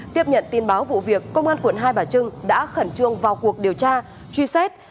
tiếp nhận tin báo vụ việc công an quận hai bà trưng đã khẩn trương vào cuộc điều tra truy xét